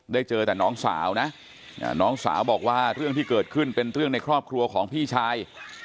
เจอแต่น้องสาวนะน้องสาวบอกว่าเรื่องที่เกิดขึ้นเป็นเรื่องในครอบครัวของพี่ชาย